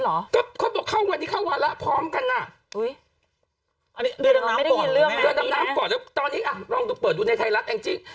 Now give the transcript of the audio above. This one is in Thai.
เรื่องน้ำป่อนเรื่องน้ำป่อนแล้วตอนนี้ลองเปิดดูในไทยลักษณ์จริง